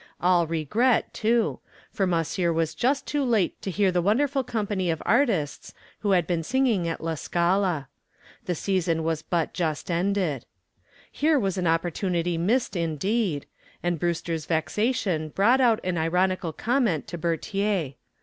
All regret, too, for monsieur was just too late to hear the wonderful company of artists who had been singing at La Scala. The season was but just ended. Here was an opportunity missed indeed, and Brewster's vexation brought out an ironical comment to Bertier.